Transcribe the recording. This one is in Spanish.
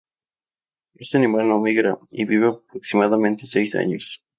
Este animal no migra y vive aproximadamente seis años.